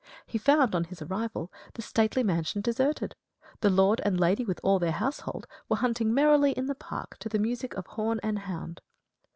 He found, on his arrival, the stately mansion deserted; the Lord and Lady, with all their household, were hunting merrily in the park to the music of horn and hound.